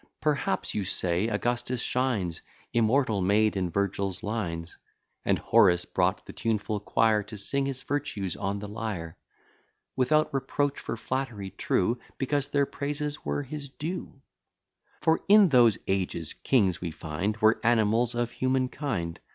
Perhaps you say, Augustus shines, Immortal made in Virgil's lines, And Horace brought the tuneful quire, To sing his virtues on the lyre; Without reproach for flattery, true, Because their praises were his due. For in those ages kings, we find, Were animals of human kind.